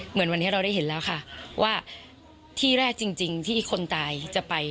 เหมือนวันนี้เราได้เห็นแล้วค่ะว่าที่แรกจริงที่คนตายจะไป